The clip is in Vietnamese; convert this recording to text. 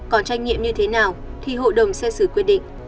còn trách nhiệm như thế nào thì hộ đồng sẽ xử quyết định